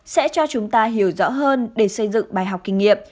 sẽ cho chúng ta hiểu rõ hơn để xây dựng bài học kinh nghiệm